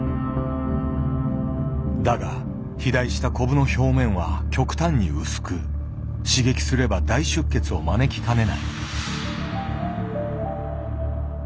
だが肥大したコブの表面は極端に薄く刺激すれば大出血を招きかねない。